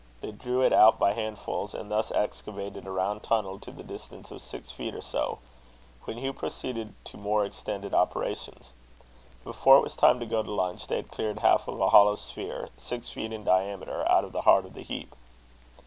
They drew it out by handfuls, and thus excavated a round tunnel to the distance of six feet or so; when Hugh proceeded to more extended operations. Before it was time to go to lunch, they had cleared half of a hollow sphere, six feet in diameter, out of the heart of the heap.